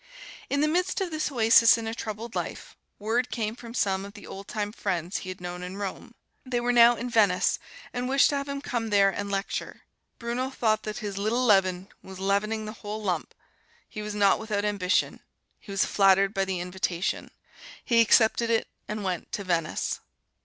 In the midst of this oasis in a troubled life, word came from some of the old time friends he had known in Rome. They were now in Venice, and wished to have him come there and lecture. Bruno thought that his little leaven was leavening the whole lump he was not without ambition he was flattered by the invitation. He accepted it and went to Venice.